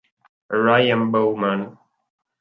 Ryan Bowman